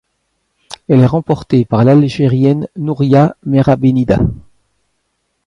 Elle est remportée par l'Algérienne Nouria Mérah-Benida.